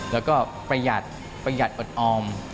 แล้วก็ประหยัดประหยัดอดออม